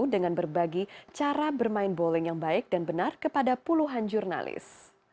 dengan berbagi cara bermain bowling yang baik dan benar kepada puluhan jurnalis